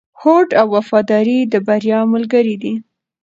هوډ او وفاداري د بریا ملګري دي.